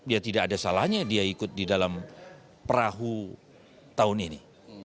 biar tidak ada salahnya dia ikut di dalam perahu tahun ini